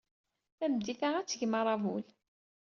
Tameddit-a, ad d-tgem aṛabul.